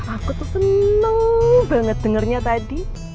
aku tuh seneng banget dengernya tadi